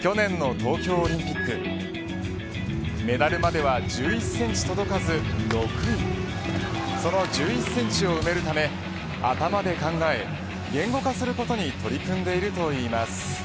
去年の東京オリンピックメダルまでは１１センチ届かず６位その１１センチを埋めるため頭で考え、言語化することに取り組んでいるといいます。